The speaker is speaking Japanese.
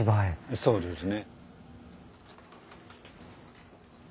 そうですね。